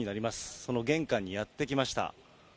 その玄関にやって来ました。